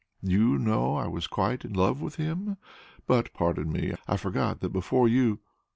Do you know I was quite in love with him! But pardon me; I forgot that before you....